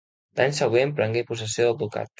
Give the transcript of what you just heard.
L'any següent prengué possessió del ducat.